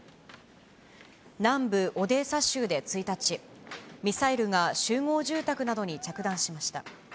南部オデーサ州で１日、ミサイルが集合住宅などに着弾しました。